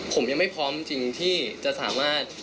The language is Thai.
ผมยังไม่พร้อมจริงที่จะสามารถ